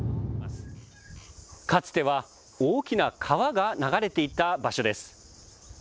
かつては大きな川が流れていた場所です。